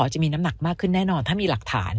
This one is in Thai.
จะมีน้ำหนักมากขึ้นแน่นอนถ้ามีหลักฐาน